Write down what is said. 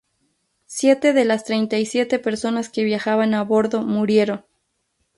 Siete de las treinta y siete personas que viajaban a bordo murieron.